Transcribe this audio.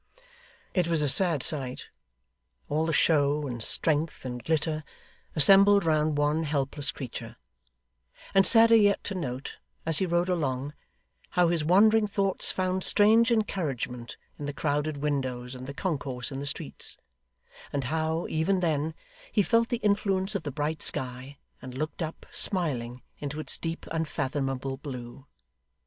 It was a sad sight all the show, and strength, and glitter, assembled round one helpless creature and sadder yet to note, as he rode along, how his wandering thoughts found strange encouragement in the crowded windows and the concourse in the streets; and how, even then, he felt the influence of the bright sky, and looked up, smiling, into its deep unfathomable blue.